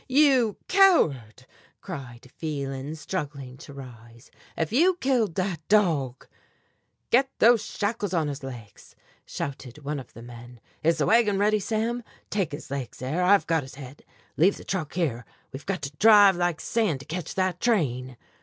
"You coward!" cried Phelan, struggling to rise, "if you killed that dog " "Get those shackles on his legs," shouted one of the men. "Is the wagon ready, Sam? Take his legs there, I've got his head. Leave the truck here, we've got to drive like sand to catch that train!"